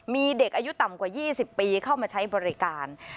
มีเด็กอายุต่ำกว่า๒๐ปีเข้ามาใช้บริการ